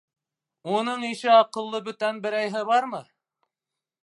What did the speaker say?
Уның ише аҡыллы бүтән берәйһе бармы?